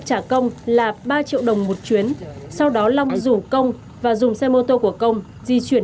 trả công là ba triệu đồng một chuyến sau đó long rủ công và dùng xe mô tô của công di chuyển